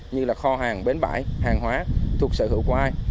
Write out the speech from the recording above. như là kho hàng bến bãi hàng hóa thuộc sở hữu của ai